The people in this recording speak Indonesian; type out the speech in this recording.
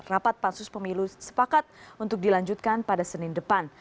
rapat pansus pemilu sepakat untuk dilanjutkan pada senin depan